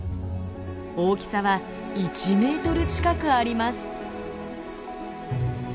大きさは１メートル近くあります。